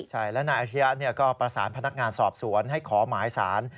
ใช่และนายอริยะก็ประสานพนักงานสอบสวนให้ขอหมายสาร